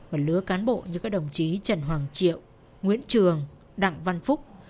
và lứa cán bộ như các đồng chí trần hoàng triệu nguyễn trường đặng văn phúc